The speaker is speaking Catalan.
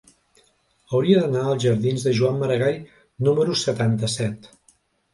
Hauria d'anar als jardins de Joan Maragall número setanta-set.